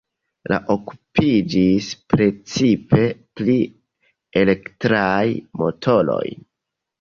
Li okupiĝis precipe pri elektraj motoroj.